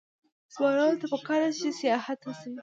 ځوانانو ته پکار ده چې، سیاحت هڅوي.